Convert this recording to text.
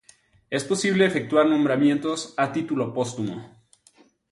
Es posible efectuar nombramientos a ""título póstumo"".